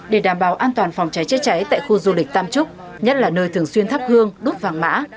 để đảm bảo an toàn phòng cháy trị cháy tại khu du lịch tam trúc nhất là nơi thường xuyên thắp hương đút vang mã